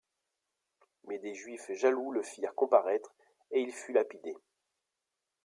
Mais des Juifs jaloux le firent comparaître, et il fut lapidé.